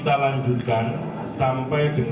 dan statusnya sudah mendaftar ke kpu